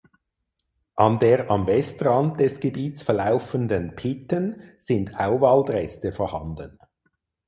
An der am Westrand des Gebiets verlaufenden Pitten sind Auwaldreste vorhanden.